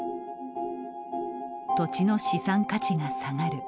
土地の資産価値が下がる。